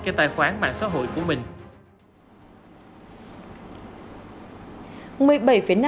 cho tài khoản mạng xã hội của mình